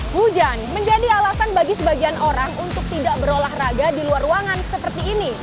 hujan menjadi alasan bagi sebagian orang untuk tidak berolahraga di luar ruangan seperti ini